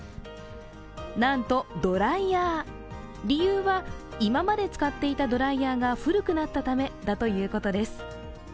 理由は、今まで使っていたドライヤーが古くなったためだということです。